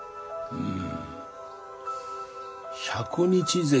うん？